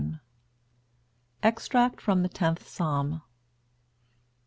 EXTRACT FROM THE TENTH PSALM.